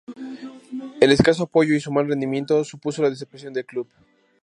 El escaso apoyo y su mal rendimiento supuso la desaparición del club.